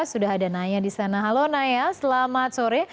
sudah ada naya di sana halo naya selamat sore